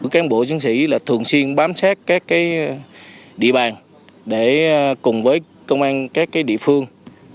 các bộ chiến sĩ thường xuyên bám sát các địa bàn để cùng với công an các địa phương